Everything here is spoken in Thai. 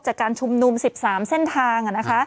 จากการชุมนุม๑๓เส้นทาง